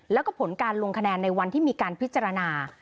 แล้วก็ผลการลงคะแนนในวันที่มีการพิจารณา